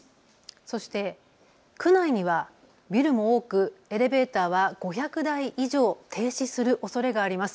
そして区内にはビルも多くエレベーターは５００台以上、停止するおそれがあります。